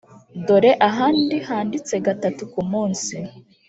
dore ahandi handitse gatatu ku munsi.